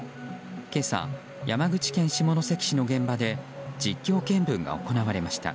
今朝、山口県下関市の現場で実況見分が行われました。